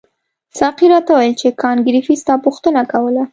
ساقي راته وویل چې کانت ګریفي ستا پوښتنه کوله.